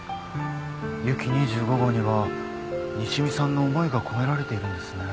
「ユキ２５号」には西見さんの思いが込められているんですね。